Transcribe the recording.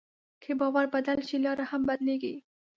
که باور بدل شي، لاره هم بدلېږي.